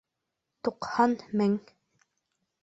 Туҡһан мең